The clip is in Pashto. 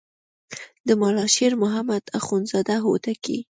د ملا شیر محمد اخوندزاده هوتکی.